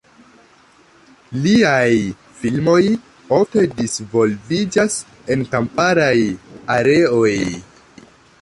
Liaj filmoj ofte disvolviĝas en kamparaj areoj.